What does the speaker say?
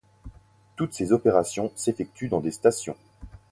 Toutes ces opérations s'effectuent dans des stations.